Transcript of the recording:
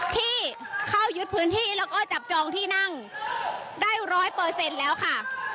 ที่เข้ายุดพื้นที่แล้วก็จับจองที่นั่งได้ร้อยเปอร์เซ็นต์แล้วค่ะ